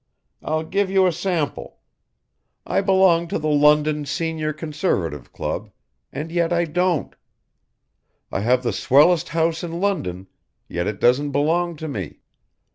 I'll give you a sample: I belong to the London Senior Conservative Club and yet I don't. I have the swellest house in London yet it doesn't belong to me.